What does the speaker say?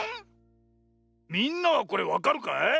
みんなはこれわかるかい？